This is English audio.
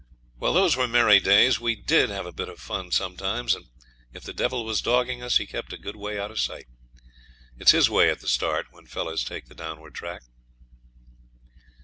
Well, those were merry days; we DID have a bit of fun sometimes, and if the devil was dogging us he kept a good way out of sight. It's his way at the start when fellows take the downward track.